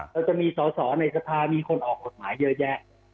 เราจะมีสอสอในสภามีคนออกกฎหมายเยอะแยะ